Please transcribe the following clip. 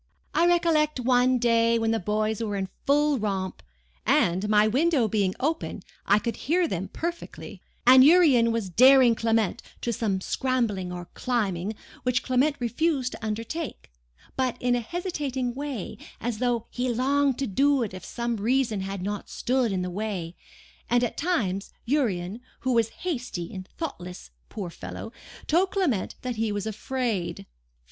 I recollect one day, when the two boys were in full romp—and, my window being open, I could hear them perfectly—and Urian was daring Clement to some scrambling or climbing, which Clement refused to undertake, but in a hesitating way, as though he longed to do it if some reason had not stood in the way; and at times, Urian, who was hasty and thoughtless, poor fellow, told Clement that he was afraid.